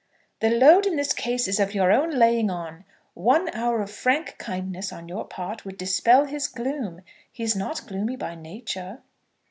"The load in this case is of your own laying on. One hour of frank kindness on your part would dispel his gloom. He is not gloomy by nature."